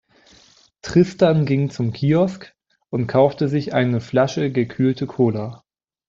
Tristan ging zum Kiosk und kaufte sich eine Flasche gekühlte Cola.